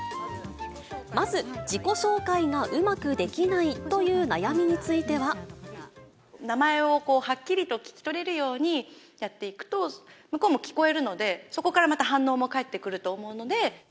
まず自己紹介がうまくできないと名前をはっきりと聞き取れるようにやっていくと、向こうも聞こえるので、そこからまた反応も返ってくると思うので。